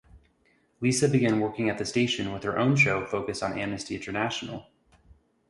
Lisa began working at the station with her own show focused on Amnesty International.